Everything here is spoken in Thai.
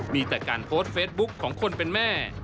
มีแต่การโพสต์เฟซบุ๊คของคนเป็นแม่